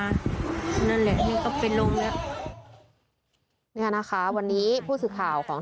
นั่นแหละนี่ก็เป็นลมแล้วเนี่ยนะคะวันนี้ผู้สื่อข่าวของ